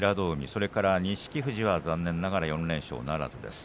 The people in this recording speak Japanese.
それから錦富士は残念ながら４連勝ならずです。